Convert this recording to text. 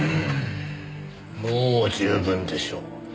もう十分でしょう。